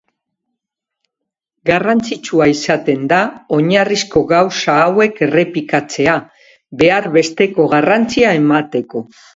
Garrantzitsua izaten da oinarrizko gauza hauek errepikatzea, behar besteko garrantzia emateko.